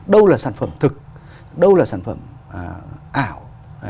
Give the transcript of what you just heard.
đâu là sản phẩm thực đâu là sản phẩm ảo